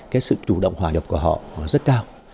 cái sự chủ động hòa nhập của họ rất cao